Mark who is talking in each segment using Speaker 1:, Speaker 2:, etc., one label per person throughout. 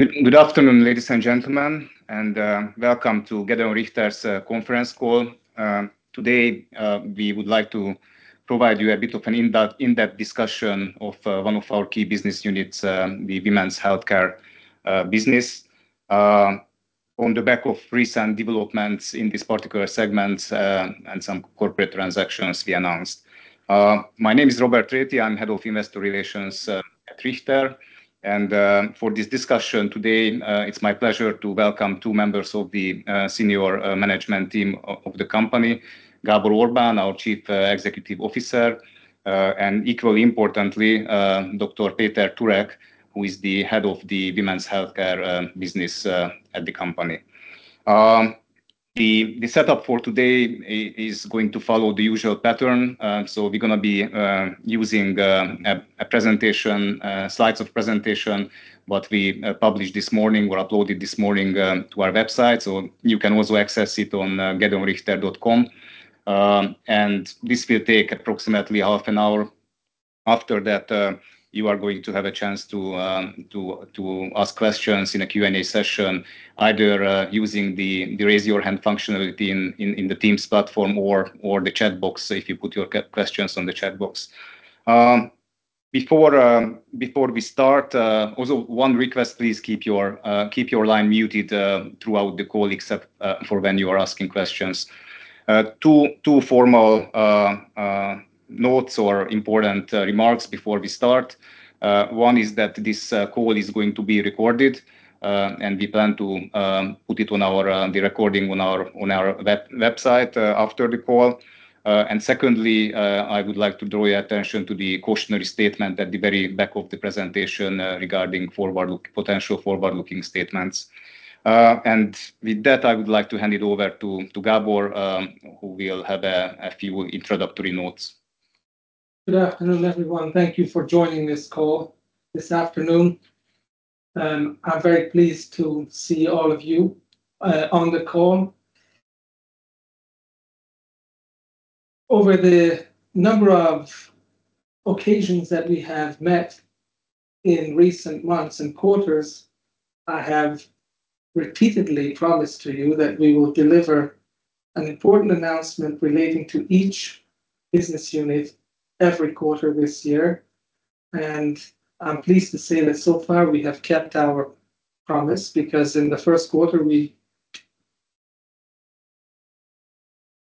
Speaker 1: Good afternoon, ladies and gentlemen, welcome to Gedeon Richter's conference call. Today, we would like to provide you a bit of an in-depth discussion of one of EMA key business units, the Women's Healthcare business, on the back of recent developments in this particular segment, and some corporate transactions we announced. My name is Róbert Réthy. I'm Head of Investor Relations at Richter. For this discussion today, it's my pleasure to welcome two members of the senior management team of the company, Gábor Orbán, our Chief Executive Officer, and equally importantly, Dr. Péter Turek, who is the Head of the Women's Healthcare business at the company. The setup for today is going to follow the usual pattern. We're gonna be using a presentation, slides of presentation what we published this morning or uploaded this morning to our website. You can also access it on gedeonrichter.com. This will take approximately half an hour. After that, you are going to have a chance to ask questions in a Q&A session either using the Raise Your Hand functionality in the Teams platform or the chat box if you put your questions on the chat box. Before we start, also one request, please keep your line muted throughout the call except for when you are asking questions. Two formal notes or important remarks before we start. One is that this call is going to be recorded, and we plan to put it on our the recording on our on our website after the call. Secondly, I would like to draw your attention to the cautionary statement at the very back of the presentation regarding forward-looking, potential forward-looking statements. With that, I would like to hand it over to Gábor, who will have a few introductory notes.
Speaker 2: Good afternoon, everyone. Thank you for joining this call this afternoon. I'm very pleased to see all of you on the call. Over the number of occasions that we have met in recent months and quarters, I have repeatedly promised to you that we will deliver an important announcement relating to each business unit every quarter this year. I'm pleased to say that so far we have kept our promise because in the first quarter we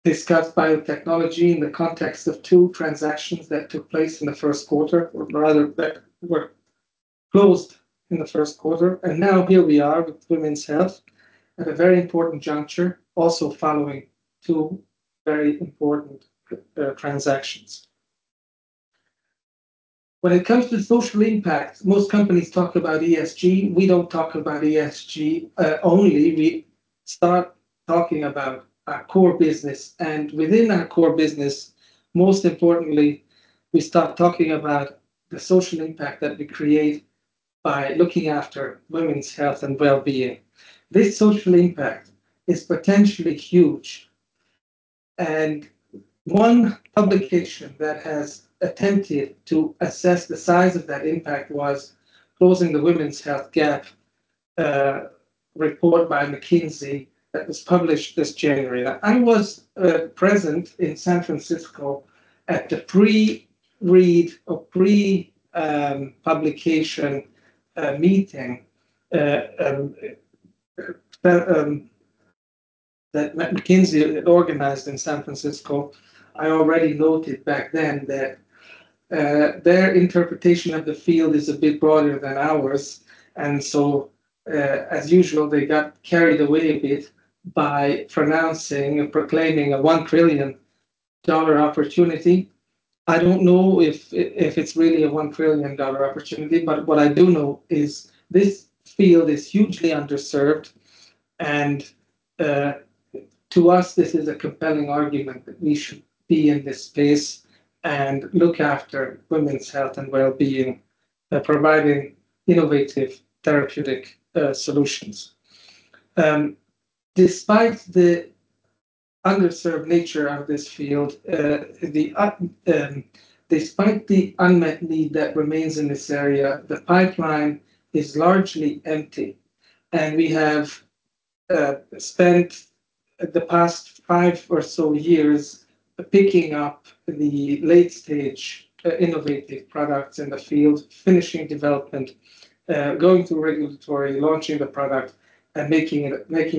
Speaker 2: discussed biotechnology in the context of two transactions that took place in the first quarter or rather that were closed in the first quarter. Now here we are with women's health at a very important juncture, also following two very important transactions. When it comes to social impact, most companies talk about ESG. We don't talk about ESG only. We start talking about our core business, within our core business, most importantly, we start talking about the social impact that we create by looking after women's health and wellbeing. This social impact is potentially huge, one publication that has attempted to assess the size of that impact was Closing the Women's Health Gap, report by McKinsey that was published this January. I was present in San Francisco at the pre-read or pre-publication meeting that McKinsey organized in San Francisco. I already noted back then that their interpretation of the field is a bit broader than ours. As usual, they got carried away a bit by pronouncing and proclaiming a $1 trillion opportunity. I don't know if it's really a $1 trillion opportunity, but what I do know is this field is hugely underserved, and to us this is a compelling argument that we should be in this space and look after women's health and wellbeing by providing innovative therapeutic solutions. Despite the underserved nature of this field, despite the unmet need that remains in this area, the pipeline is largely empty. We have spent the past five or so years picking up the late-stage innovative products in the field, finishing development, going through regulatory, launching the product and making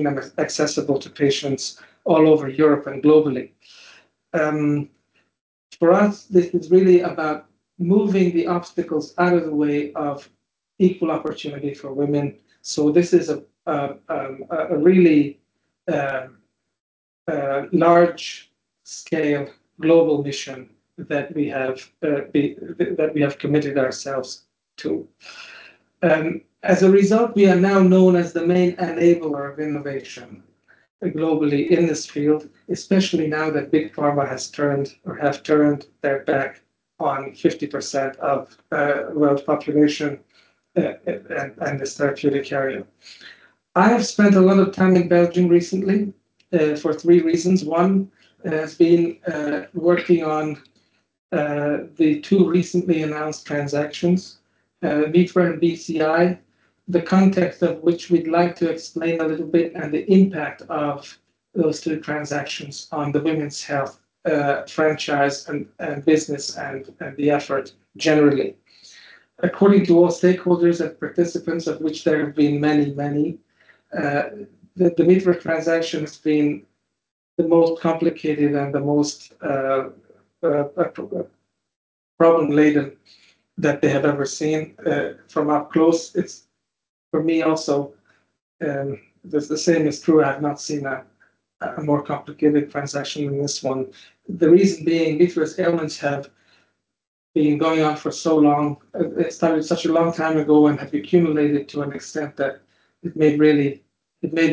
Speaker 2: them accessible to patients all over Europe and globally. For us, this is really about moving the obstacles out of the way of equal opportunity for women, so this is a really large-scale global mission that we have committed ourselves to. As a result, we are now known as the main enabler of innovation globally in this field, especially now that big pharma has turned or have turned their back on 50% of world population and this therapeutic area. I have spent a lot of time in Belgium recently for three reasons. One has been working on the two recently announced transactions, Mithra and BCI, the context of which we'd like to explain a little bit and the impact of those two transactions on the women's health franchise and business and the effort generally. According to all stakeholders and participants, of which there have been many, the Mithra transaction has been the most complicated and the most problem-laden that they have ever seen from up close. It's, for me also, the same is true. I have not seen a more complicated transaction than this one. The reason being Mithra's ailments have been going on for so long. It started such a long time ago and have accumulated to an extent that it made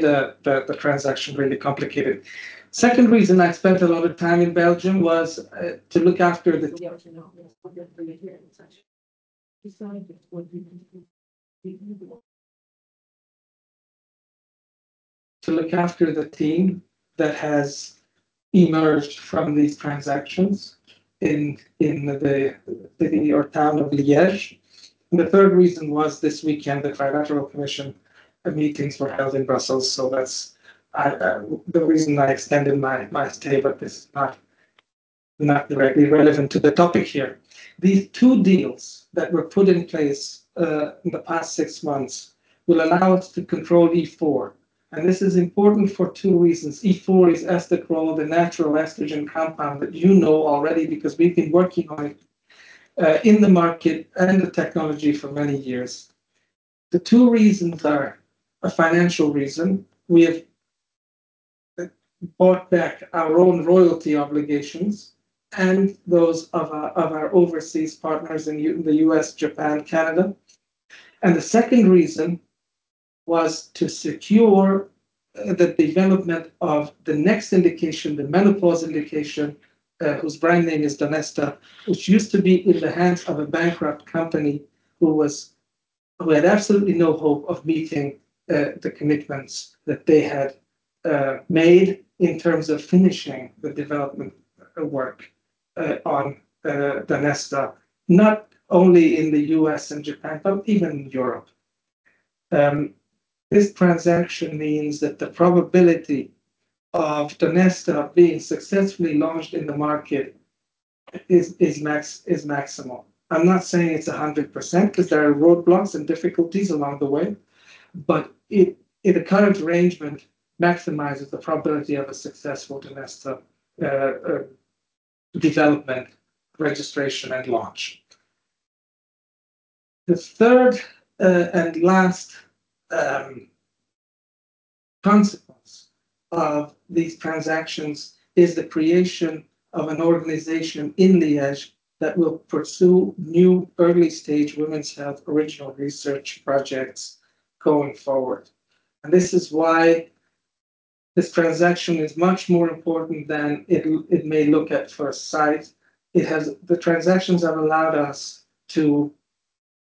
Speaker 2: the transaction really complicated. Second reason I spent a lot of time in Belgium was to look after the team that has emerged from these transactions in the city or town of Liège. The third reason was this weekend, the Trilateral Commission meetings were held in Brussels, so that's the reason I extended my stay, but it's not directly relevant to the topic here. These two deals that were put in place in the past six months will allow us to control E4, and this is important for two reasons. E4 is estetrol, the natural estrogen compound that you know already because we've been working on it in the market and the technology for many years. The two reasons are a financial reason. We have bought back our own royalty obligations and those of our overseas partners in the U.S., Japan, Canada. The second reason was to secure the development of the next indication, the menopause indication, whose brand name is Donesta, which used to be in the hands of a bankrupt company who had absolutely no hope of meeting the commitments that they had made in terms of finishing the development work on Donesta, not only in the U.S. and Japan, but even in Europe. This transaction means that the probability of Donesta being successfully launched in the market is maximal. I'm not saying it's 100% 'cause there are roadblocks and difficulties along the way, but it in the current arrangement maximizes the probability of a successful Donesta development, registration and launch. The third and last consequence of these transactions is the creation of an organization in Liege that will pursue new early-stage women's health original research projects going forward. This is why this transaction is much more important than it may look at first sight. The transactions have allowed us to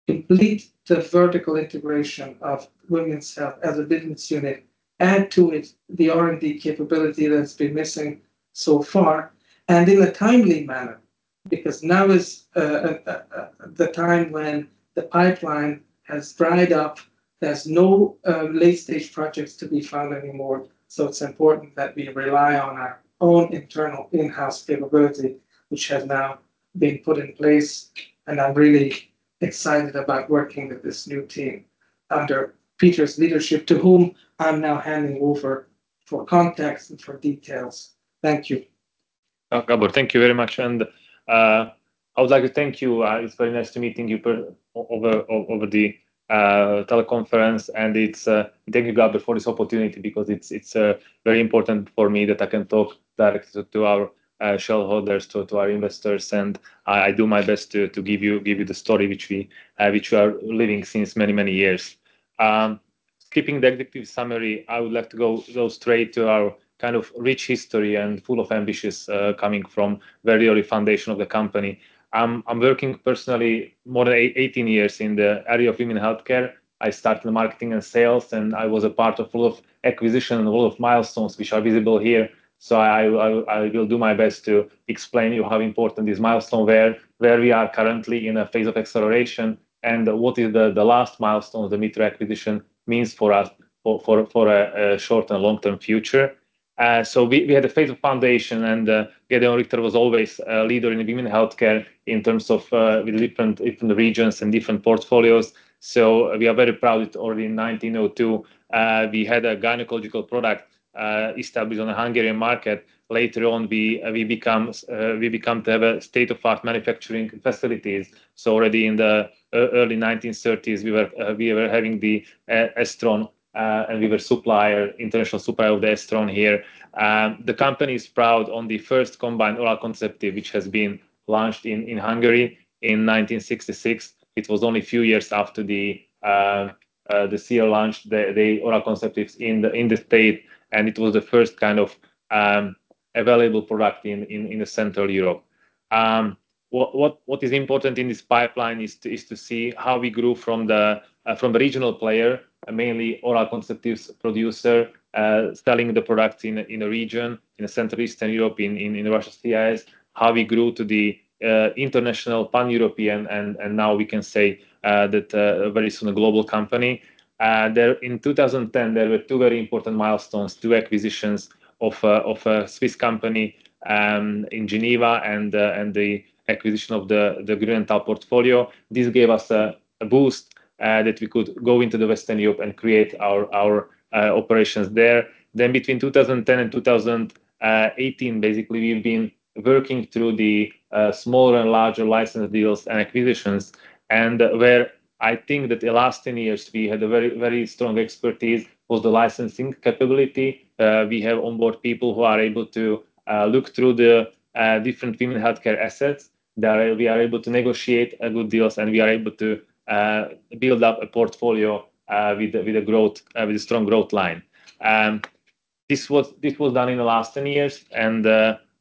Speaker 2: complete the vertical integration of women's health as a business unit, add to it the R&D capability that's been missing so far, in a timely manner, because now is the time when the pipeline has dried up. There's no late-stage projects to be found anymore, it's important that we rely on our own internal in-house capability, which has now been put in place. I'm really excited about working with this new team under Péter's leadership, to whom I'm now handing over for context and for details. Thank you.
Speaker 3: Gabor, thank you very much. I would like to thank you. It's very nice to meeting you over the teleconference. Thank you, Gabor, for this opportunity because it's very important for me that I can talk directly to our shareholders, to our investors, and I do my best to give you the story which we are living since many, many years. Skipping the executive summary, I would like to go straight to our kind of rich history and full of ambitions coming from very early foundation of the company. I'm working personally more than 18 years in the area of women's healthcare. I started marketing and sales, I was a part of full of acquisition and full of milestones which are visible here. I will do my best to explain you how important this milestone, where we are currently in a phase of acceleration, and what is the last milestone the Mithra acquisition means for us for a short and long-term future. We had a phase of foundation and Gedeon Richter was always a leader in women healthcare in terms of with different regions and different portfolios. We are very proud that already in 1902 we had a gynecological product established on the Hungarian market. Later on, we become to have a state-of-art manufacturing facilities. Already in the early 1930s, we were having the estrone, and we were supplier, international supplier of the estrone here. The company is proud on the first combined oral contraceptive which has been launched in Hungary in 1966. It was only a few years after the pill launch, the oral contraceptives in the state, and it was the first kind of available product in Central Europe. What is important in this pipeline is to see how we grew from the regional player, mainly oral contraceptives producer, selling the products in the region, in the Central Eastern European, in Russia/CIS, how we grew to the international pan-European and now we can say that very soon a global company. In 2010, there were two very important milestones, two acquisitions of a Swiss company in Geneva and the acquisition of the Grünenthal portfolio. This gave us a boost that we could go into Western Europe and create our operations there. Between 2010 and 2018, basically, we've been working through smaller and larger license deals and acquisitions. Where I think that the last 10 years we had a very strong expertise was the licensing capability. We have on board people who are able to look through the different women's healthcare assets, that we are able to negotiate good deals, and we are able to build up a portfolio with a growth, with a strong growth line. This was done in the last 10 years, and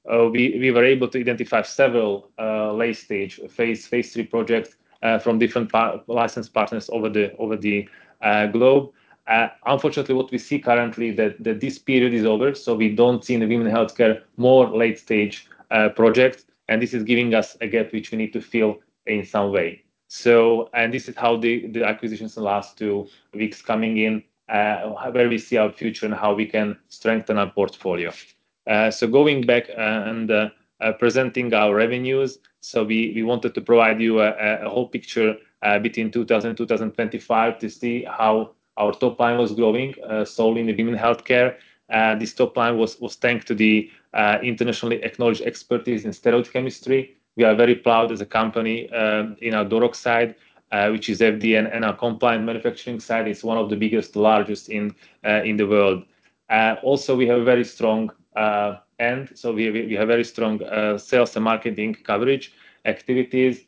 Speaker 3: we were able to identify several late stage phase III projects from different licensed partners over the globe. Unfortunately, what we see currently that this period is over, so we don't see in the women's healthcare more late stage projects, and this is giving us a gap which we need to fill in some way. And this is how the acquisitions in the last two weeks coming in, where we see our future and how we can strengthen our portfolio. Going back and presenting our revenues. We wanted to provide you a whole picture between 2000 and 2025 to see how our top line was growing solely in the Women's Healthcare. This top line was thanks to the internationally acknowledged expertise in steroid chemistry. We are very proud as a company in our Dorog site, which is FDA and our compliant manufacturing site is one of the biggest, largest in the world. Also, we have very strong sales and marketing coverage activities.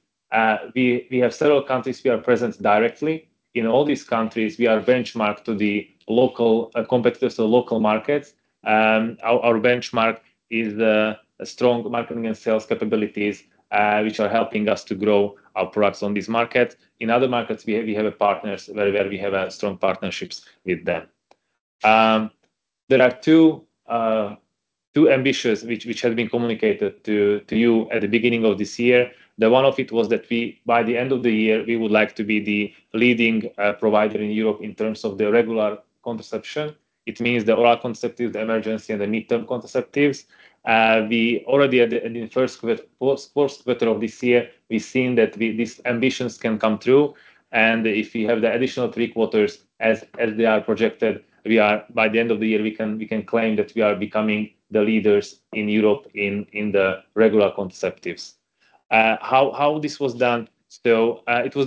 Speaker 3: We have several countries we are present directly. In all these countries, we are benchmarked to the local competitors, so local markets. Our benchmark is a strong marketing and sales capabilities, which are helping us to grow our products on this market. In other markets, we have partners where we have strong partnerships with them. There are two ambitions which have been communicated to you at the beginning of this year. The one of it was that we, by the end of the year, we would like to be the leading provider in Europe in terms of the regular contraception. It means the oral contraceptive, the emergency and the midterm contraceptives. We already in the first quarter of this year, we've seen that we, this ambitions can come true. If we have the additional three quarters as they are projected, we are, by the end of the year, we can claim that we are becoming the leaders in Europe in the regular contraceptives. How this was done still, it was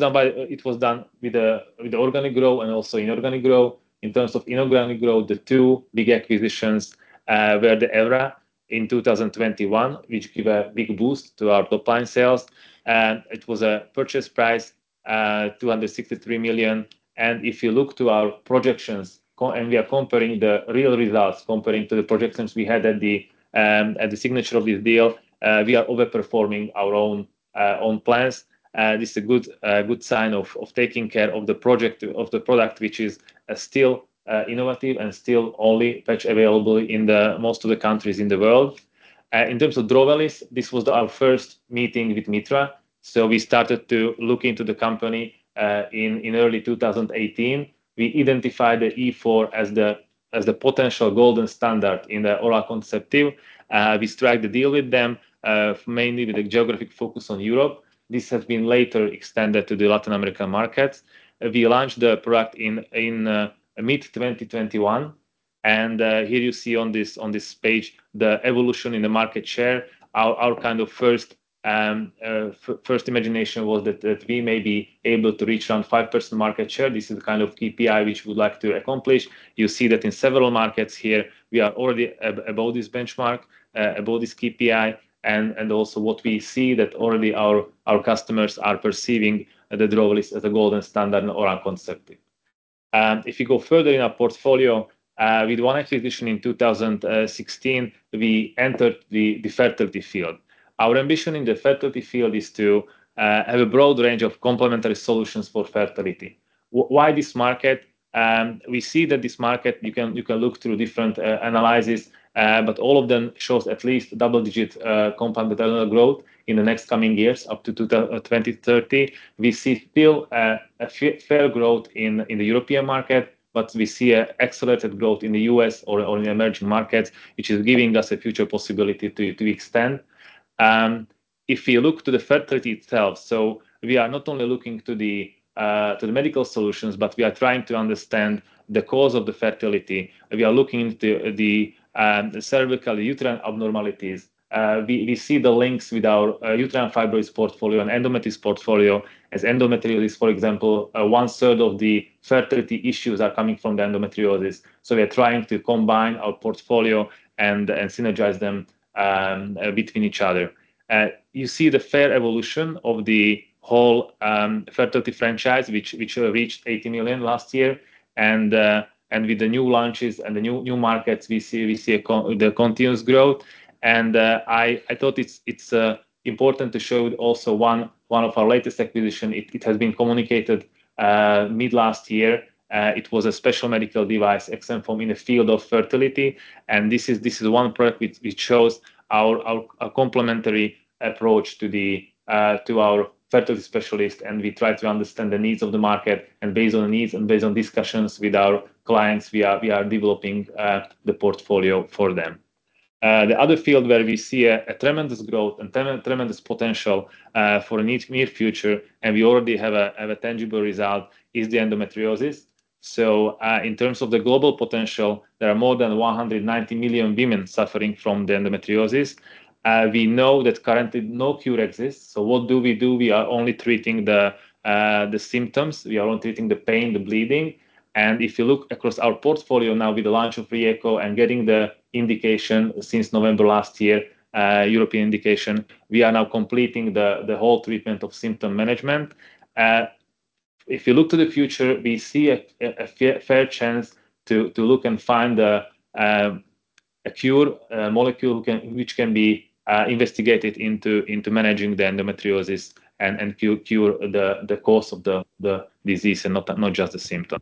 Speaker 3: done with the organic growth and also inorganic growth. In terms of inorganic growth, the two big acquisitions were the Evra in 2021, which give a big boost to our top-line sales. It was a purchase price, 263 million. If you look to our projections and we are comparing the real results comparing to the projections we had at the signature of this deal, we are overperforming our own plans. This is a good sign of taking care of the project, of the product, which is still innovative and still only patch available in the most of the countries in the world. In terms of Drovelis, this was our first meeting with Mithra. We started to look into the company in early 2018. We identified the E4 as the potential golden standard in the oral contraceptive. We struck the deal with them mainly with the geographic focus on Europe. This has been later extended to the Latin American markets. We launched the product in mid-2021. Here you see on this page the evolution in the market share. Our kind of first imagination was that we may be able to reach around 5% market share. This is the kind of KPI which we would like to accomplish. You see that in several markets here, we are already about this benchmark, about this KPI, and also what we see that already our customers are perceiving the Drovelis as a golden standard in oral contraceptive. If you go further in our portfolio, with one acquisition in 2016, we entered the fertility field. Our ambition in the fertility field is to have a broad range of complementary solutions for fertility. Why this market? We see that this market, you can, you can look through different analysis, but all of them shows at least double-digit compound annual growth in the next coming years, up to 2030. We see still a fair growth in the European market, but we see a accelerated growth in the U.S. or on the emerging markets, which is giving us a future possibility to extend. If you look to the fertility itself, we are not only looking to the medical solutions, but we are trying to understand the cause of the fertility. We are looking into the cervical uterine abnormalities. We see the links with our uterine fibroids portfolio and endometriosis portfolio. As endometriosis, for example, 1/3 of the fertility issues are coming from the endometriosis. We are trying to combine our portfolio and synergize them between each other. You see the fair evolution of the whole fertility franchise, which reached 80 million last year. With the new launches and the new markets, we see the continuous growth. I thought it's important to show also one of our latest acquisition. It has been communicated mid last year. It was a special medical device ExEm Foam in the field of fertility. This is one product which shows our complementary approach to the to our fertility specialist, and we try to understand the needs of the market. Based on needs and based on discussions with our clients, we are developing the portfolio for them. The other field where we see a tremendous growth and tremendous potential for the near future, and we already have a tangible result, is the endometriosis. In terms of the global potential, there are more than 190 million women suffering from the endometriosis. We know that currently no cure exists. What do we do? We are only treating the symptoms. We are only treating the pain, the bleeding. If you look across our portfolio now with the launch of Ryeqo and getting the indication since November last year, European indication, we are now completing the whole treatment of symptom management. If you look to the future, we see a fair chance to look and find a cure, a molecule which can be investigated into managing endometriosis and cure the cause of the disease and not just the symptom.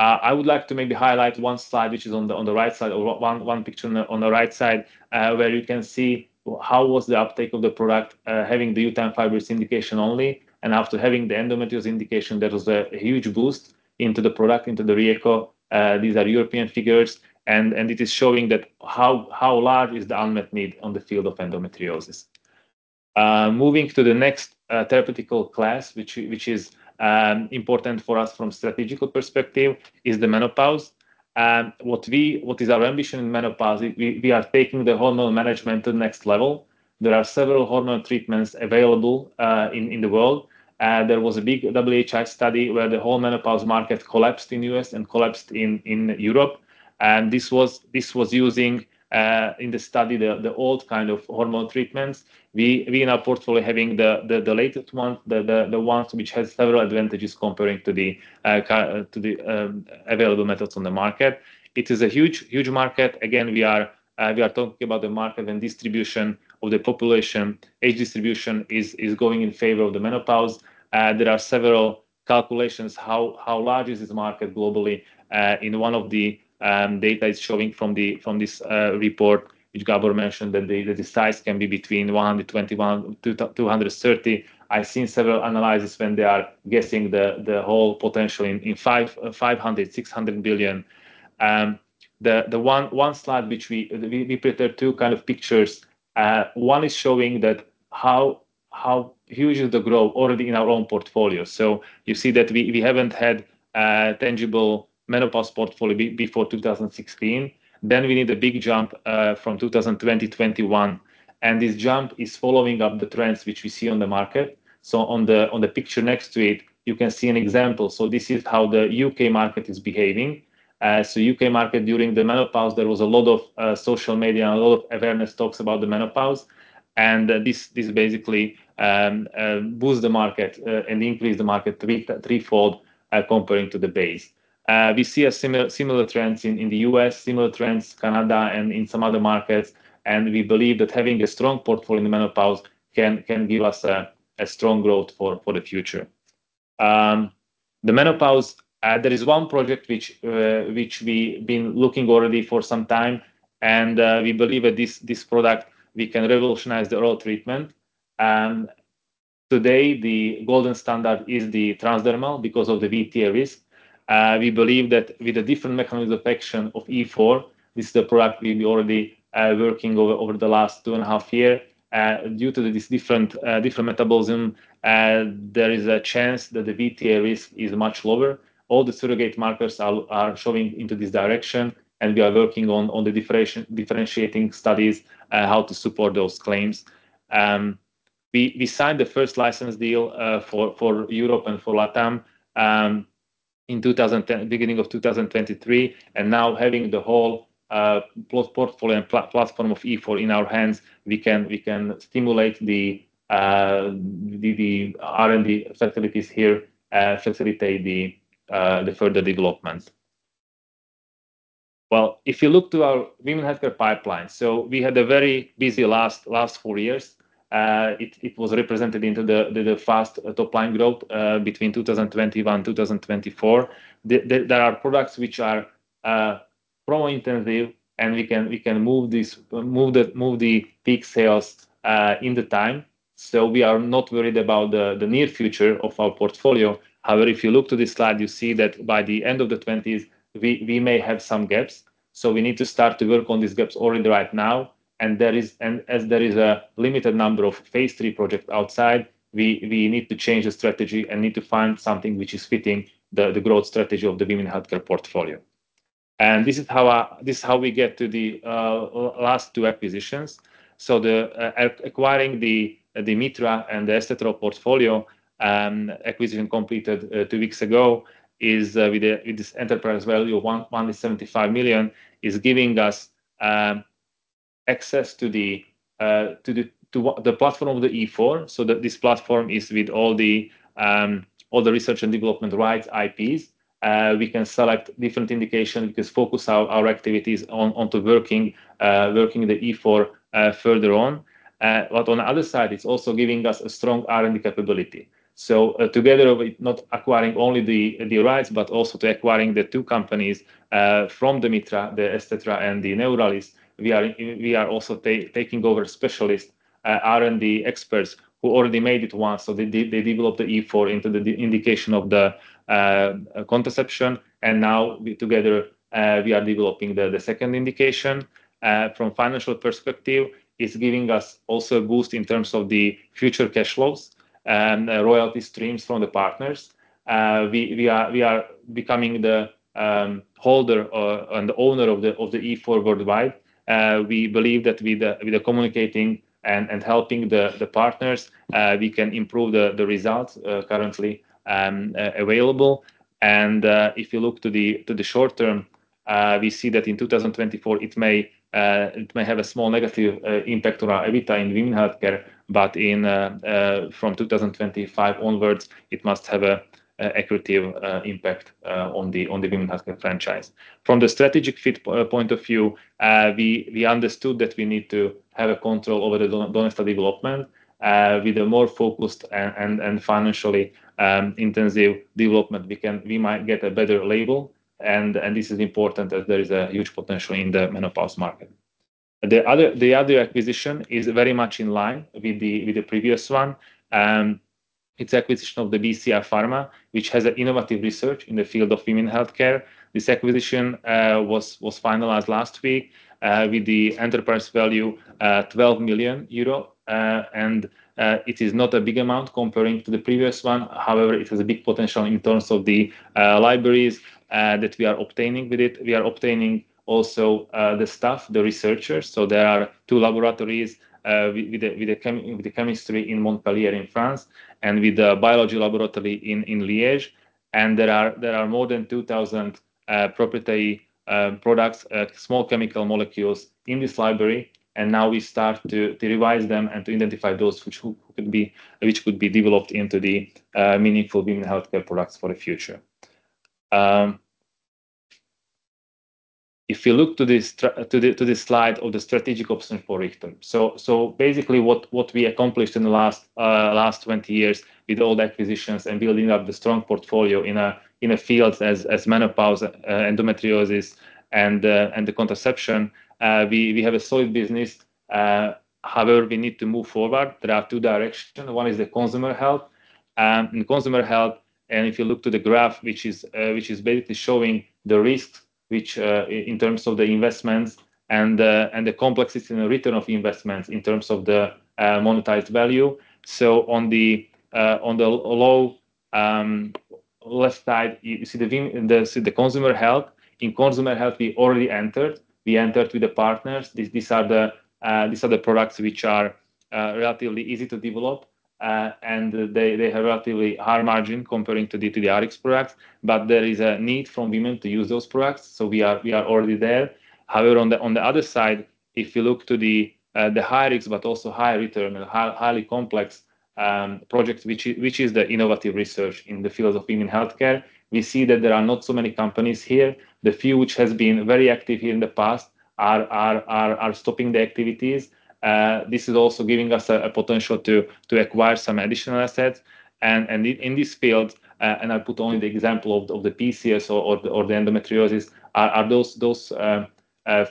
Speaker 3: I would like to maybe highlight one slide, which is on the right side, or one picture on the right side, where you can see how was the uptake of the product having the uterine fibroids indication only. After having the endometriosis indication, there was a huge boost into the product, into Ryeqo. These are European figures and it is showing that how large is the unmet need on the field of endometriosis. Moving to the next therapeutic class, which is important for us from strategic perspective is the menopause. What is our ambition in menopause? We are taking the hormonal management to the next level. There are several hormonal treatments available in the world. There was a big WHI study where the whole menopause market collapsed in U.S. and collapsed in Europe. This was using in the study the old kind of hormonal treatments. We in our portfolio having the latest one, the ones which has several advantages comparing to the available methods on the market. It is a huge market. Again, we are talking about the market and distribution of the population. Age distribution is going in favor of the menopause. There are several calculations how large is this market globally. In one of the data is showing from this report, which Gábor mentioned, that the size can be between 121-230. I've seen several analysis when they are guessing the whole potential in 500 million, 600 million. The one slide which we prepared two kind of pictures. One is showing that how huge is the growth already in our own portfolio. You see that we haven't had a tangible menopause portfolio before 2016. We need a big jump from 2020, 2021. This jump is following up the trends which we see on the market. On the picture next to it, you can see an example. This is how the U.K. market is behaving. U.K. market, during the menopause, there was a lot of social media and a lot of awareness talks about the menopause. This basically boost the market and increase the market three, threefold, comparing to the base. We see a similar trends in the U.S., similar trends Canada and in some other markets. We believe that having a strong portfolio in the menopause can give us a strong growth for the future. The menopause, there is one project which we been looking already for some time. We believe that this product can revolutionize the oral treatment. Today the golden standard is the transdermal because of the VTE risk. We believe that with a different mechanism of action of E4, this is the product we've been already working over the last two and a half years. Due to this different metabolism, there is a chance that the VTE risk is much lower. All the surrogate markers are showing into this direction, and we are working on the differentiating studies how to support those claims. We signed the first license deal for Europe and for Latam in beginning of 2023. Now having the whole portfolio and platform of E4 in our hands, we can stimulate the R&D facilities here, facilitate the further development. Well, if you look to our women's healthcare pipeline, we had a very busy last four years. It was represented into the fast top line growth between 2021, 2024. There are products which are pro intensive, and we can move this, move the peak sales in the time. We are not worried about the near future of our portfolio. However, if you look to this slide, you see that by the end of the 20s, we may have some gaps. We need to start to work on these gaps already right now. As there is a limited number of phase III projects outside, we need to change the strategy and need to find something which is fitting the growth strategy of the women healthcare portfolio. This is how we get to the last two acquisitions. The acquiring the Mithra and the estetrol portfolio acquisition completed two weeks ago, is with this enterprise value of 175 million, is giving us access to the platform of the E4, so that this platform is with all the all the research and development rights, IPs. We can select different indication. We can focus our activities on working the E4 further on. But on the other side, it's also giving us a strong R&D capability. Together with not acquiring only the rights, but also acquiring the two companies from Mithra, Estetra SRL and Neuralis SA, we are also taking over specialists. R&D experts who already made it once. They developed the E4 into the indication of the contraception. Now together, we are developing the second indication. From financial perspective, it's giving us also a boost in terms of the future cash flows and royalty streams from the partners. We are becoming the holder and the owner of the E4 worldwide. We believe that with the communicating and helping the partners, we can improve the results currently available. If you look to the short term, we see that in 2024, it may have a small negative impact on our EBITDA in Women Healthcare, but from 2025 onwards, it must have a equity impact on the Women Healthcare franchise. From the strategic fit point of view, we understood that we need to have a control over the Donesta development. With a more focused and financially intensive development, we might get a better label. This is important that there is a huge potential in the menopause market. The other acquisition is very much in line with the previous one. It's acquisition of the BCI Pharma, which has an innovative research in the field of women's healthcare. This acquisition was finalized last week with the enterprise value 12 million euro. It is not a big amount comparing to the previous one. However, it has a big potential in terms of the libraries that we are obtaining with it. We are obtaining also the staff, the researchers. There are two laboratories with the chemistry in Montpellier in France, and with the biology laboratory in Liège. There are more than 2,000 proprietary products, small chemical molecules in this library. Now we start to revise them and to identify those which could be developed into the meaningful women's healthcare products for the future. If you look to this slide of the strategic option for Richter. Basically what we accomplished in the last 20 years with all the acquisitions and building up the strong portfolio in fields as menopause, endometriosis, and contraception, we have a solid business. However, we need to move forward. There are two directions. One is the consumer health. In consumer health, and if you look to the graph, which is basically showing the risk, which in terms of the investments and the complexity and return of investments in terms of the monetized value. On the low left side, you see the consumer health. In consumer health, we already entered. We entered with the partners. These are the products which are relatively easy to develop. They have relatively high margin comparing to the high-risk products. There is a need from women to use those products. We are already there. However, on the other side, if you look to the high risk, but also high return and highly complex projects, which is the innovative research in the fields of women healthcare, we see that there are not so many companies here. The few which has been very active here in the past are stopping the activities. This is also giving us a potential to acquire some additional assets. In this field, and I put only the example of the PCOS or the endometriosis, are those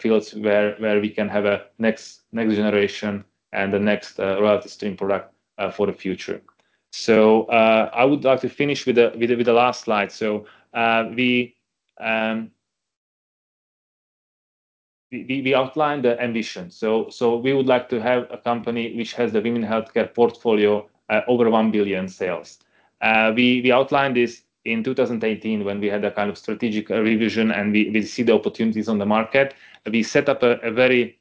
Speaker 3: fields where we can have a next generation and the next royalty stream product for the future. I would like to finish with the last slide. We outlined the ambition. We would like to have a company which has the Women's Healthcare portfolio at over 1 billion sales. We outlined this in 2018 when we had a kind of strategic revision and we see the opportunities on the market. We set up a very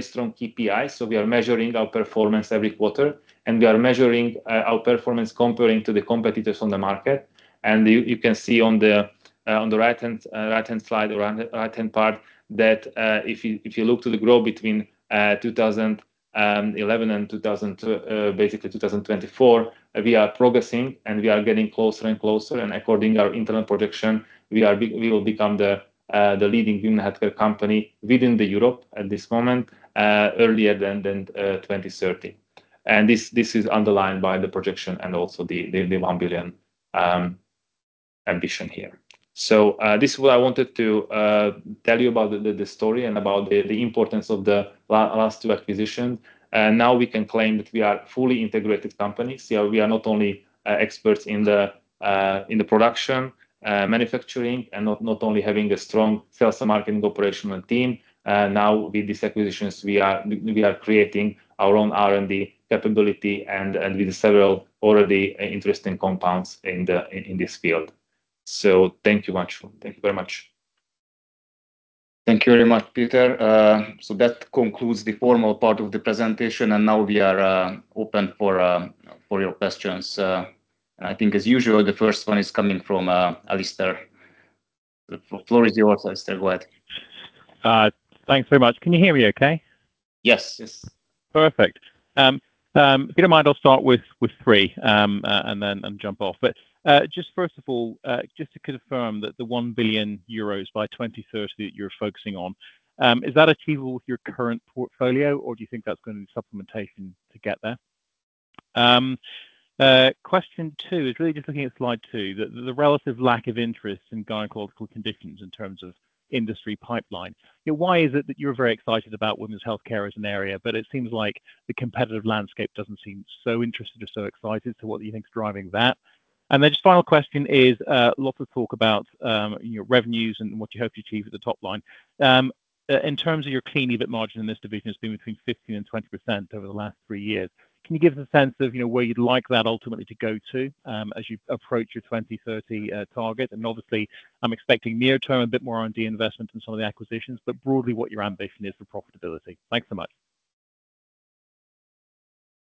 Speaker 3: strong KPI. We are measuring our performance every quarter, and we are measuring our performance comparing to the competitors on the market. You, you can see on the right hand, right-hand slide or right hand part that if you, if you look to the growth between 2011 and basically 2024, we are progressing, and we are getting closer and closer. According our internal projection, we will become the leading women healthcare company within the Europe at this moment, earlier than 2030. This is underlined by the projection and also the 1 billion ambition here. This is what I wanted to tell you about the story and about the importance of the last two acquisitions. Now we can claim that we are fully integrated companies. We are not only experts in the production, manufacturing and not only having a strong sales and marketing operational team. Now with these acquisitions, we are creating our own R&D capability and with several already interesting compounds in this field. Thank you very much.
Speaker 1: Thank you very much, Péter. That concludes the formal part of the presentation, and now we are open for your questions. I think as usual, the first one is coming from Alistair. The floor is yours, Alistair. Go ahead.
Speaker 4: Thanks very much. Can you hear me okay?
Speaker 1: Yes. Yes.
Speaker 4: Perfect. If you don't mind, I'll start with three, and then jump off. Just first of all, just to confirm that the HUF 1 billion by 2030 that you're focusing on, is that achievable with your current portfolio, or do you think that's going to be supplementation to get there? Question two is really just looking at slide two. The relative lack of interest in gynecological conditions in terms of industry pipeline. You know, why is it that you're very excited about women's healthcare as an area, but it seems like the competitive landscape doesn't seem so interested or so excited? What do you think is driving that? Just final question is, lots of talk about, you know, revenues and what you hope to achieve at the top line. In terms of your clean EBIT margin in this division has been between 15% and 20% over the last three years. Can you give us a sense of, you know, where you'd like that ultimately to go to, as you approach your 2030 target? Obviously, I'm expecting near term a bit more R&D investment in some of the acquisitions, but broadly what your ambition is for profitability. Thanks so much.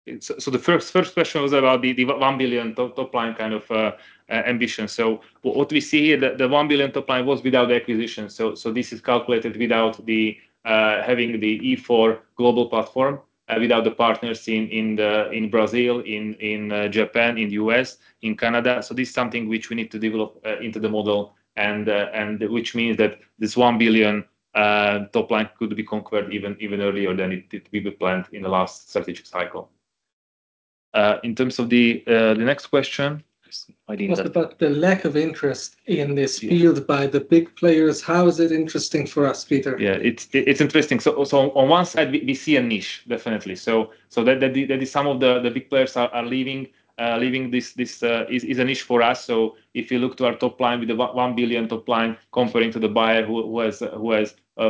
Speaker 3: The first question was about the 1 billion top line kind of ambition. What we see here, the 1 billion top line was without the acquisition. This is calculated without the having the E4 global platform, without the partners in Brazil, in Japan, in U.S., in Canada. This is something which we need to develop into the model and which means that this 1 billion top line could be conquered even earlier than it we planned in the last strategic cycle. In terms of the next question, I think.
Speaker 2: It was about the lack of interest in this field by the big players. How is it interesting for us, Péter? Yeah, it's interesting. On one side we see a niche, definitely. That is some of the big players are leaving this is a niche for us. If you look to our top line with the 1 billion top line comparing to the buyer who has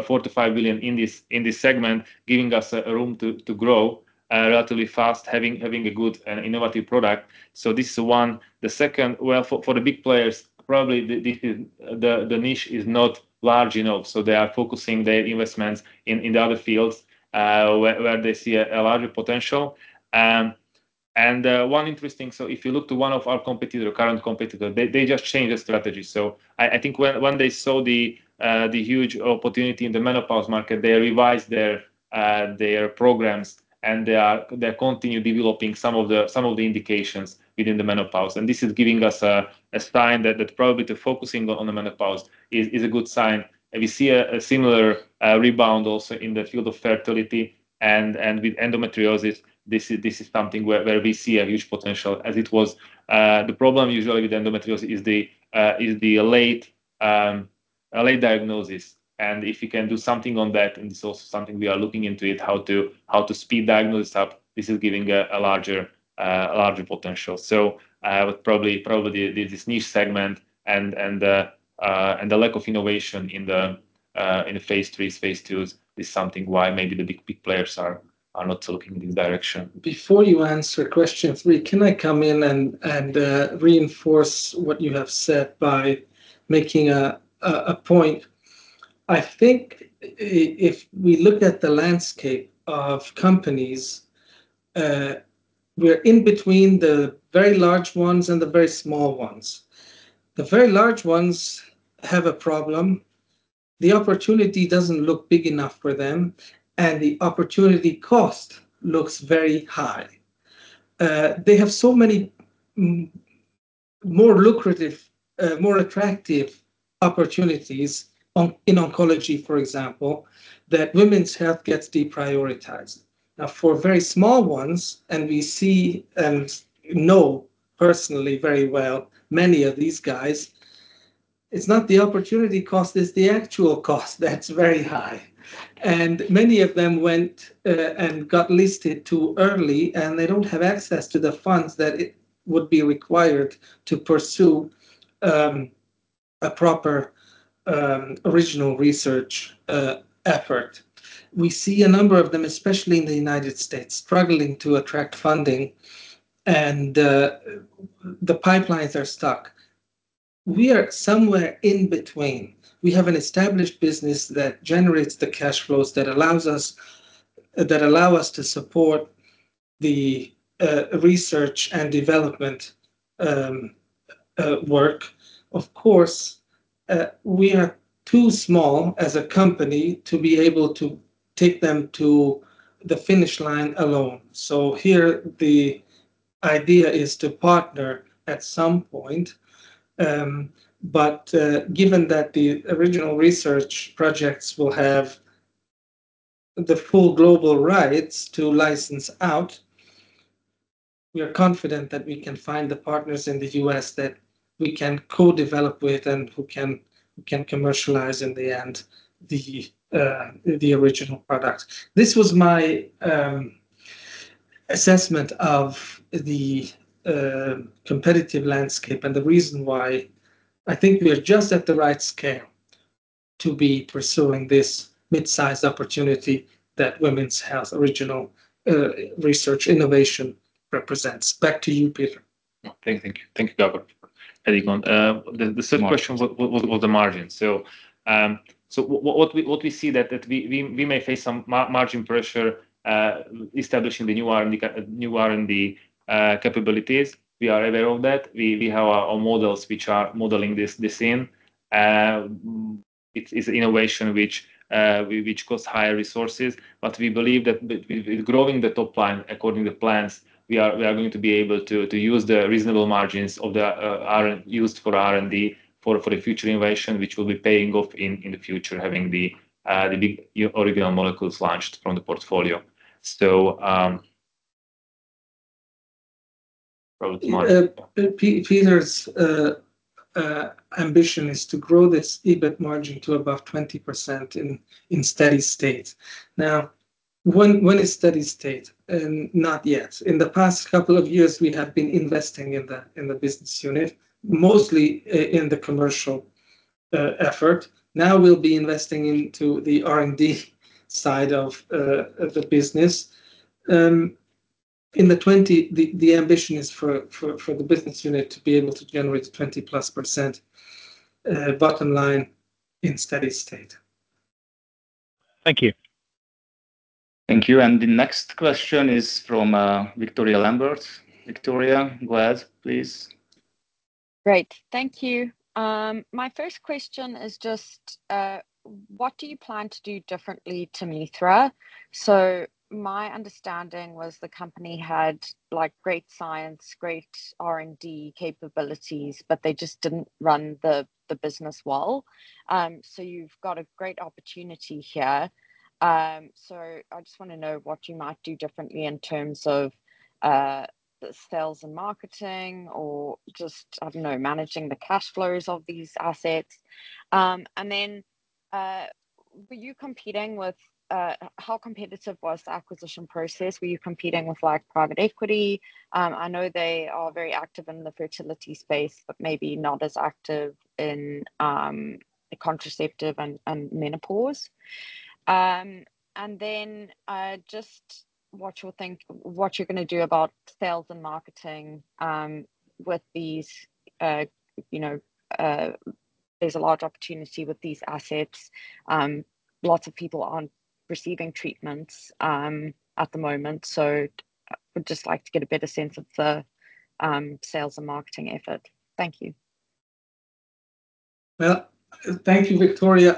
Speaker 2: 4 to 5 billion in this segment, giving us room to grow relatively fast, having a good and innovative product. This is one. The second, well, for the big players, probably the niche is not large enough. They are focusing their investments in the other fields where they see a larger potential. One interesting.
Speaker 3: If you look to one of our competitor, current competitor, they just changed the strategy. I think when they saw the huge opportunity in the menopause market, they revised their programs, and they continue developing some of the indications within the menopause. This is giving us a sign that the probability of focusing on the menopause is a good sign. We see a similar rebound also in the field of fertility and with endometriosis. This is something where we see a huge potential as it was. The problem usually with endometriosis is the late diagnosis. If we can do something on that, and this is also something we are looking into it, how to speed diagnosis up, this is giving a larger potential. Probably this niche segment and the lack of innovation in the phase III, phase II is something why maybe the big players are not looking in this direction.
Speaker 2: Before you answer question three, can I come in and reinforce what you have said by making a point? I think if we look at the landscape of companies, we're in between the very large ones and the very small ones. The very large ones have a problem. The opportunity doesn't look big enough for them, and the opportunity cost looks very high. They have so many more lucrative, more attractive opportunities in oncology, for example, that women's health gets deprioritized. For very small ones, and we see and know personally very well many of these guys, it's not the opportunity cost, it's the actual cost that's very high. Many of them went and got listed too early, and they don't have access to the funds that it would be required to pursue a proper original research effort. We see a number of them, especially in the U.S., struggling to attract funding and the pipelines are stuck. We are somewhere in between. We have an established business that generates the cash flows that allow us to support the research and development work. Of course, we are too small as a company to be able to take them to the finish line alone. Here the idea is to partner at some point. Given that the original research projects will have the full global rights to license out, we are confident that we can find the partners in the U.S. that we can co-develop with and who can commercialize in the end the original product. This was my assessment of the competitive landscape and the reason why I think we are just at the right scale to be pursuing this mid-sized opportunity that women's health original research innovation represents. Back to you, Péter. Thank you. Thank you, Gábor. Very good. The third question was the margin. What we see that we may face some margin pressure establishing the new R&D capabilities. We are aware of that. We have our models which are modeling this in. It is innovation which costs higher resources. We believe that with growing the top line according to plans, we are going to be able to use the reasonable margins of the R&D for the future innovation, which will be paying off in the future, having the big original molecules launched from the portfolio. Peter's ambition is to grow this EBIT margin to above 20% in steady state. When is steady state? Not yet. In the past couple of years we have been investing in the business unit, mostly in the commercial effort. We'll be investing into the R&D side of the business. The ambition is for the business unit to be able to generate 20%+ bottom line in steady state.
Speaker 4: Thank you.
Speaker 1: Thank you. The next question is from, Victoria Lambert. Victoria, go ahead please.
Speaker 5: Great. Thank you. My first question is just what do you plan to do differently to Mithra? My understanding was the company had, like, great science, great R&D capabilities, but they just didn't run the business well. You've got a great opportunity here. I just want to know what you might do differently in terms of the sales and marketing or just, I don't know, managing the cash flows of these assets. And then how competitive was the acquisition process? Were you competing with, like, private equity? I know they are very active in the fertility space, but maybe not as active in contraceptive and menopause. And then just what you think. What you're going to do about sales and marketing, with these, you know, there's a large opportunity with these assets? Lots of people aren't receiving treatments at the moment, I would just like to get a better sense of the sales and marketing effort. Thank you.
Speaker 2: Well, thank you, Victoria.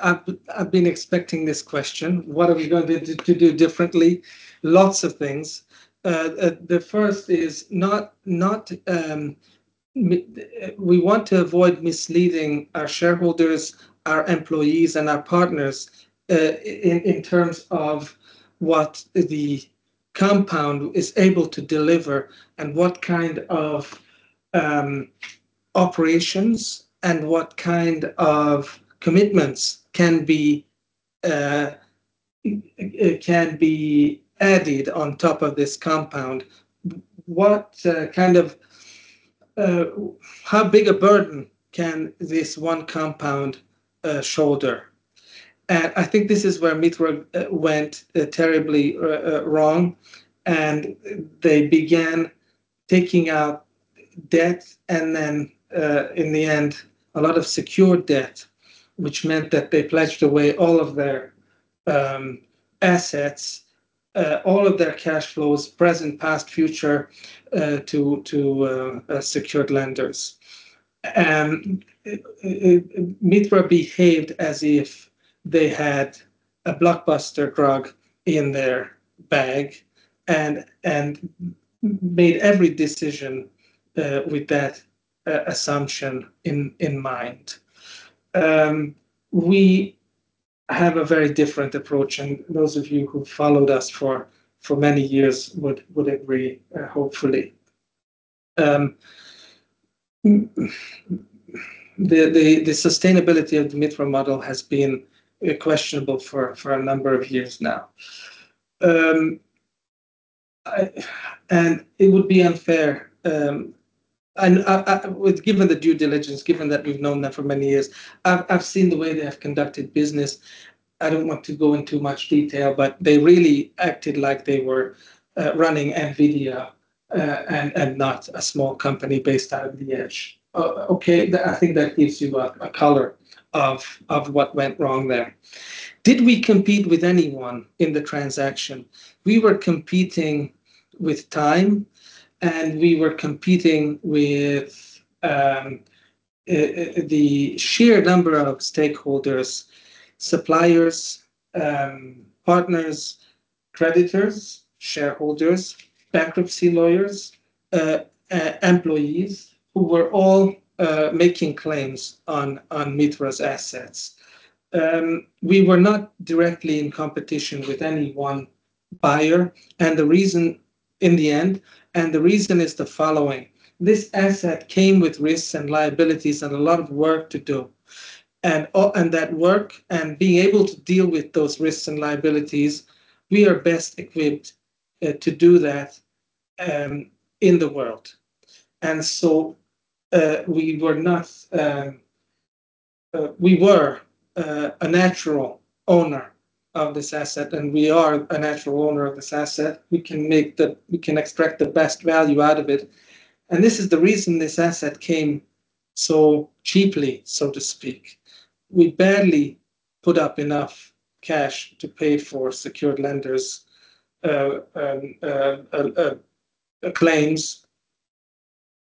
Speaker 2: I've been expecting this question. What are we going to do differently? Lots of things. The first is not, we want to avoid misleading our shareholders, our employees and our partners, in terms of what the compound is able to deliver and what kind of operations and what kind of commitments can be added on top of this compound. What kind of, how big a burden can this one compound shoulder? I think this is where Mithra went terribly wrong and they began taking out debt and then, in the end a lot of secured debt, which meant that they pledged away all of their assets, all of their cash flows, present, past, future, to secured lenders. Mithra behaved as if they had a blockbuster drug in their bag and made every decision with that assumption in mind. We have a very different approach, and those of you who followed us for many years would agree, hopefully. The sustainability of the Mithra model has been questionable for a number of years now. It would be unfair, and given the due diligence, given that we've known them for many years, I've seen the way they have conducted business. I don't want to go into much detail, but they really acted like they were running NVIDIA and not a small company based out of Liège. Okay. I think that gives you a color of what went wrong there. Did we compete with anyone in the transaction? We were competing with time, and we were competing with the sheer number of stakeholders, suppliers, partners, creditors, shareholders, bankruptcy lawyers, employees who were all making claims on Mithra's assets. We were not directly in competition with any one buyer, and the reason in the end, and the reason is the following. This asset came with risks and liabilities and a lot of work to do. That work, and being able to deal with those risks and liabilities, we are best equipped to do that in the world. We were not. We were a natural owner of this asset and we are a natural owner of this asset. We can extract the best value out of it. This is the reason this asset came so cheaply, so to speak. We barely put up enough cash to pay for secured lenders claims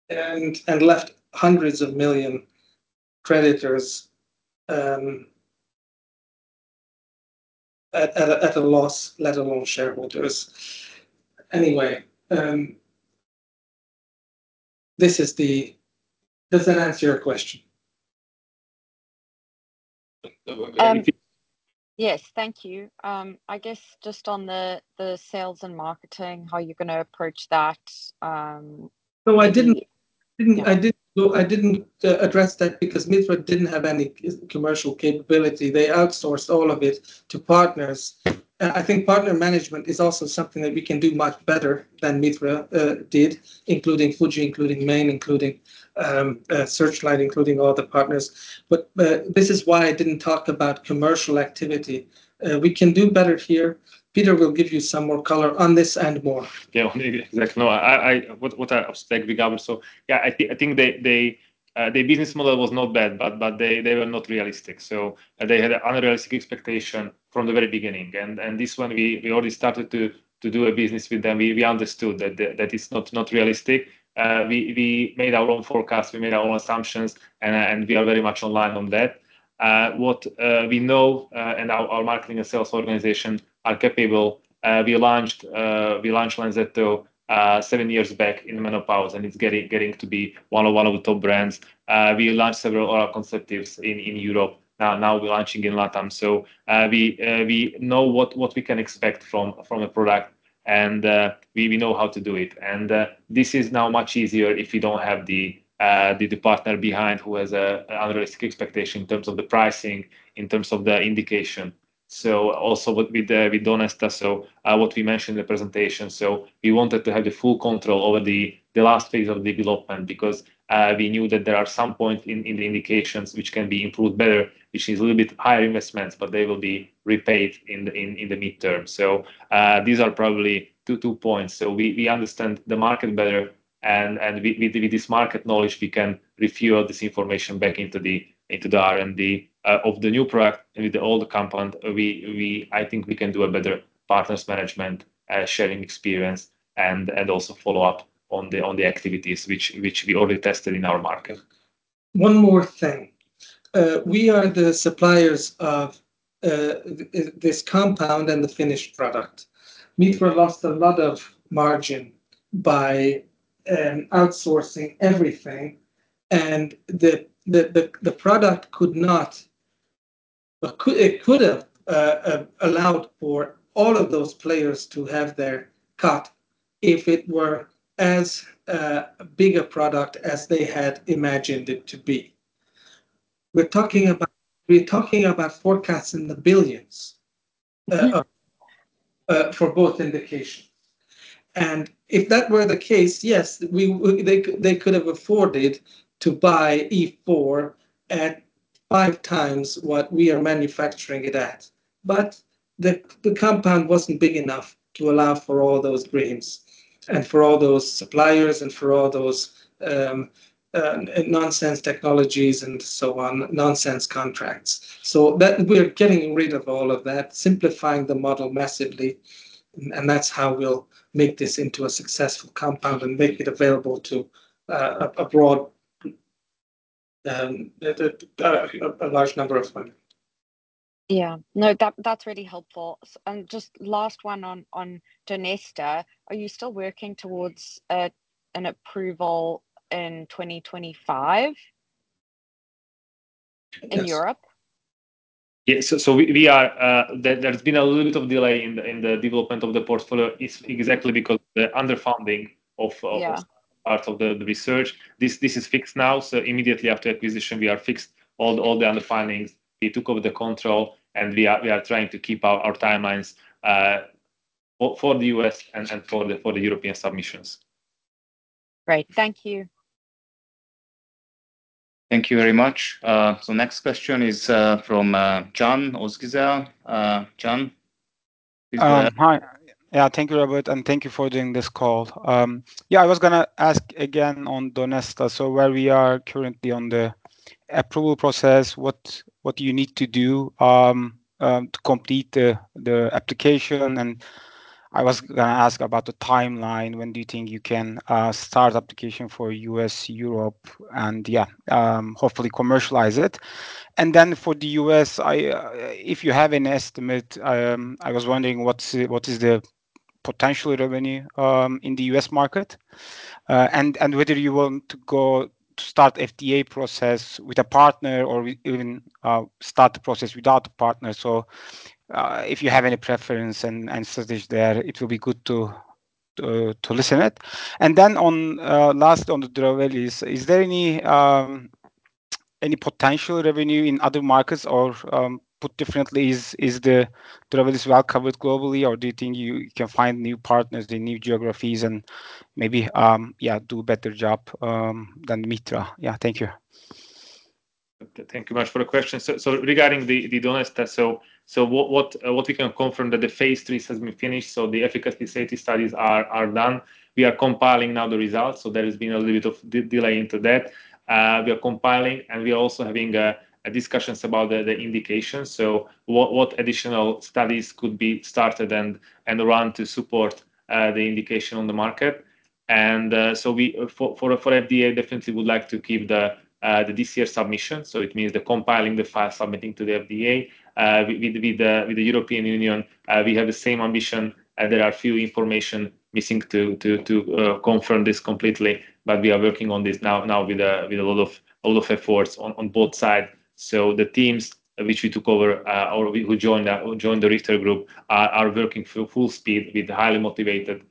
Speaker 2: and left hundreds of million HUF creditors at a loss, let alone shareholders. Anyway, does that answer your question?
Speaker 5: Yes, thank you. I guess just on the sales and marketing, how you're gonna approach that?
Speaker 2: No, I didn't address that because Mithra didn't have any commercial capability. They outsourced all of it to partners. I think partner management is also something that we can do much better than Mithra did, including Fuji, including Mayne, including Searchlight, including all the partners. This is why I didn't talk about commercial activity. We can do better here. Péter will give you some more color on this and more.
Speaker 3: Yeah, maybe. Like, no, I. What I expect regarding, I think they, their business model was not bad, but they were not realistic. They had an unrealistic expectation from the very beginning. This one, we already started to do a business with them. We understood that that is not realistic. We made our own forecast, we made our own assumptions and we are very much aligned on that. What we know, and our marketing and sales organization are capable, we launched Lenzetto seven years back in menopause, and it's getting to be one of the top brands. We launched several oral contraceptives in Europe. Now we're launching in Latam. We know what we can expect from a product and we know how to do it. This is now much easier if you don't have the partner behind who has unrealistic expectation in terms of the pricing, in terms of the indication. With Donesta, what we mentioned in the presentation, we wanted to have the full control over the last phase of development because we knew that there are some points in the indications which can be improved better, which is a little bit higher investments, but they will be repaid in the midterm. These are probably two points. We understand the market better and with this market knowledge we can review all this information back into the R&D of the new product with the old compound. I think we can do a better partners management, sharing experience and also follow up on the activities which we already tested in our market.
Speaker 2: One more thing. We are the suppliers of this compound and the finished product. Mithra lost a lot of margin by outsourcing everything. The product could have allowed for all of those players to have their cut if it were as big a product as they had imagined it to be. We're talking about forecasts in the billions.
Speaker 5: Mm-hmm...
Speaker 2: for both indications. If that were the case, yes, they could, they could have afforded to buy E4 at 5x what we are manufacturing it at. The compound wasn't big enough to allow for all those dreams and for all those suppliers and for all those nonsense technologies and so on, nonsense contracts. We're getting rid of all of that, simplifying the model massively, and that's how we'll make this into a successful compound and make it available to a broad, a large number of women.
Speaker 5: Yeah. No, that's really helpful. Just last one on Donesta. Are you still working towards an approval in 2025?
Speaker 2: Yes
Speaker 5: in Europe?
Speaker 3: Yeah. There's been a little bit of delay in the development of the portfolio.
Speaker 5: Yeah ...
Speaker 3: parts of the research. This is fixed now, immediately after acquisition we are fixed all the underfunding. We took over the control and we are trying to keep our timelines for the U.S. and for the European submissions.
Speaker 5: Great. Thank you.
Speaker 1: Thank you very much. Next question is from Can Ozgizer. Can?
Speaker 6: Hi. Thank you Róbert, and thank you for doing this call. I was gonna ask again on Donesta, where we are currently on the approval process, what you need to do to complete the application. I was gonna ask about the timeline. When do you think you can start application for U.S., Europe, and hopefully commercialize it? For the U.S., if you have an estimate, I was wondering what is the potential revenue in the U.S. market. Whether you want to go to start FDA process with a partner or even start the process without a partner. If you have any preference and strategy there, it will be good to listen it. Last, on the Drovelis, is there any potential revenue in other markets or, put differently, is the Drovelis well covered globally or do you think you can find new partners in new geographies and maybe, yeah, do a better job than Mithra? Yeah. Thank you.
Speaker 3: Thank you much for the question. Regarding the Donesta, what we can confirm that the phase III has been finished, the efficacy safety studies are done. We are compiling now the results. There has been a little bit of delay into that. We are compiling and we are also having discussions about the indications. What additional studies could be started and run to support the indication on the market. For FDA, definitely would like to keep the DCR submission. It means the compiling the file, submitting to the FDA. With the European Union, we have the same ambition and there are a few information missing to confirm this completely, but we are working on this now with a lot of efforts on both sides. The teams which we took over or who joined the Richter group are working full speed with highly motivated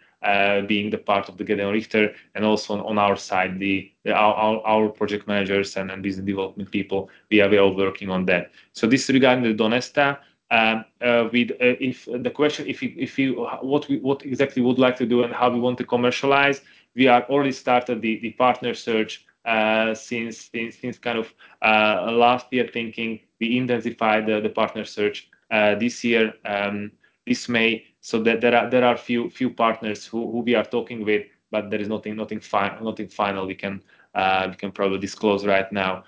Speaker 3: being the part of the Gedeon Richter and also on our side, our project managers and business development people, we are well working on that. This regarding the Donesta, with if the question what we, what exactly we would like to do and how we want to commercialize, we are already started the partner search since kind of last year thinking. We intensified the partner search this year, this May. There are few partners who we are talking with, but there is nothing final we can probably disclose right now.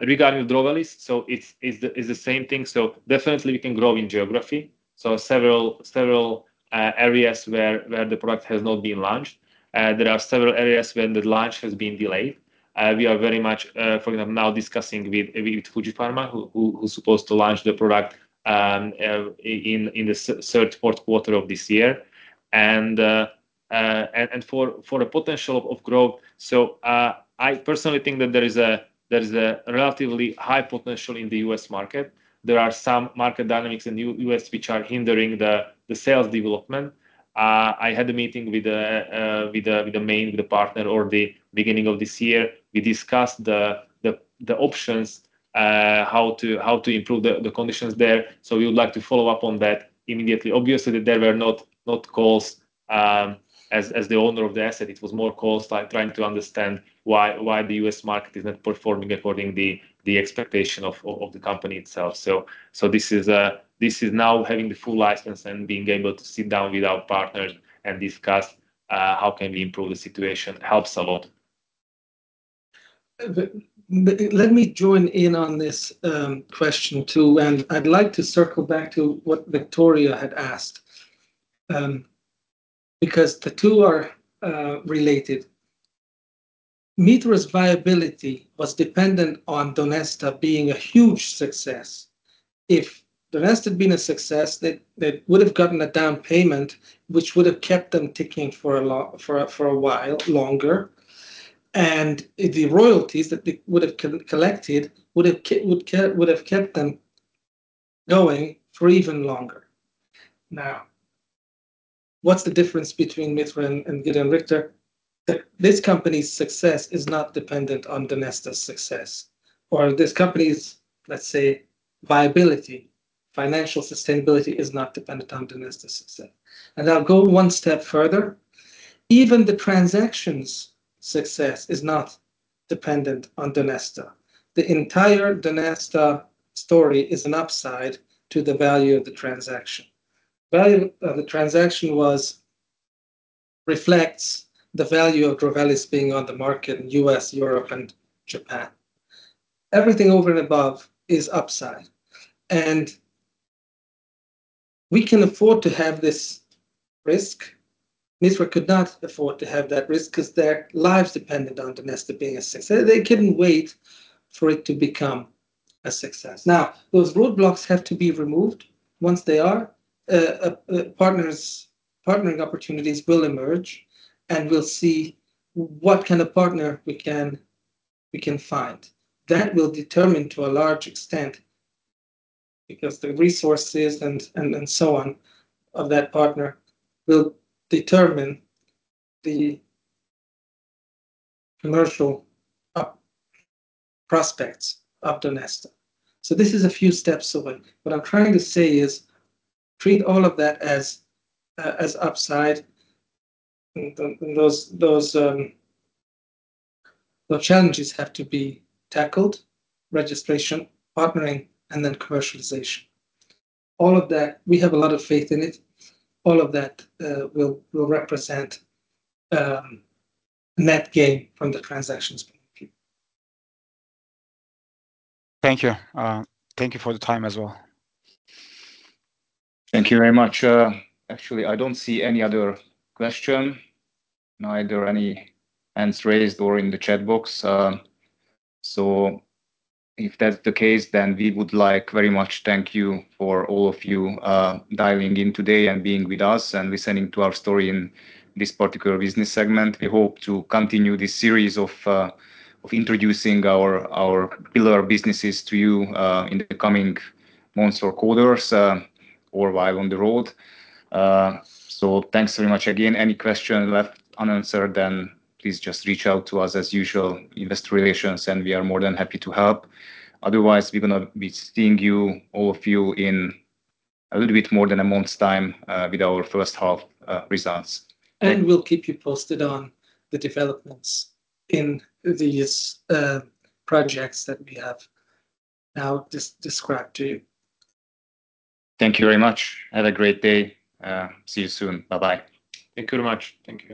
Speaker 3: Regarding Drovelis, it's the same thing. Definitely we can grow in geography. Several areas where the product has not been launched. There are several areas where the launch has been delayed. We are very much for now discussing with Fuji Pharma who's supposed to launch the product in the third, fourth quarter of this year. For the potential of growth. I personally think that there is a relatively high potential in the U.S. market. There are some market dynamics in U.S. which are hindering the sales development. I had a meeting with the partner or the beginning of this year. We discussed the options how to improve the conditions there. We would like to follow up on that immediately. Obviously, they were not close as the owner of the asset. It was more costs like trying to understand why the U.S. market is not performing according the expectation of the company itself. This is now having the full license and being able to sit down with our partners and discuss how can we improve the situation helps a lot.
Speaker 2: Let me join in on this question too, and I'd like to circle back to what Victoria had asked, because the two are related. Mithra's viability was dependent on Donesta being a huge success. If Donesta had been a success, they would have gotten a down payment, which would have kept them ticking for a while longer. The royalties that they would have collected would have kept them going for even longer. What's the difference between Mithra and Gedeon Richter? This company's success is not dependent on Donesta's success, or this company's, let's say, viability, financial sustainability is not dependent on Donesta's success. I'll go one step further. Even the transaction's success is not dependent on Donesta. The entire Donesta story is an upside to the value of the transaction. Value of the transaction was. Reflects the value of Drovelis being on the market in U.S., Europe and Japan. Everything over and above is upside. We can afford to have this risk. Mithra could not afford to have that risk 'cause their lives depended on Donesta being a success. They couldn't wait for it to become a success. Those roadblocks have to be removed. Once they are, partnering opportunities will emerge. We'll see what kind of partner we can find. That will determine to a large extent, because the resources and so on of that partner will determine the commercial prospects of Donesta. This is a few steps away. What I'm trying to say is treat all of that as upside. Those challenges have to be tackled. Registration, partnering, and then commercialization. All of that, we have a lot of faith in it. All of that will represent net gain from the transactions point of view.
Speaker 6: Thank you. Thank you for the time as well.
Speaker 1: Thank you very much. Actually, I don't see any other question, neither any hands raised or in the chat box. If that's the case, we would like very much thank you for all of you dialing in today and being with us, and listening to our story in this particular business segment. We hope to continue this series of introducing our pillar businesses to you in the coming months or quarters or while on the road. Thanks very much again. Any question left unanswered, please just reach out to us as usual, Investor Relations, we are more than happy to help. Otherwise, we're gonna be seeing you, all of you, in a little bit more than a month's time with our first half results.
Speaker 2: We'll keep you posted on the developments in these projects that we have now described to you.
Speaker 3: Thank you very much. Have a great day. See you soon. Bye-bye.
Speaker 6: Thank you very much. Thank you.